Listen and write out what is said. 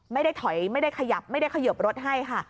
ไม่ได้ถอยไม่ได้ขยับไม่ได้ขยบรถให้ค่ะ